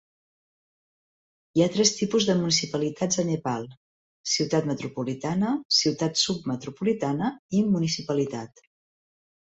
Hi ha tres tipus de municipalitats a Nepal, ciutat metropolitana, ciutat submetropolitana i municipalitat.